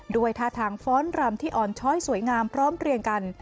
ด้วยท่าทางฟ้อนรำที่อ่อนช้อยสวยงามพร้อมเรียงกัน